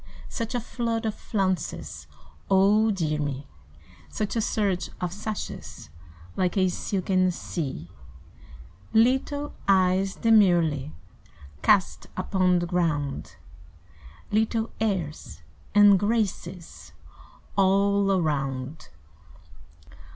Such a flood of flounces! (Oh dear me!) Such a surge of sashes Like a silken sea. Little eyes demurely Cast upon the ground, Little airs and graces All around.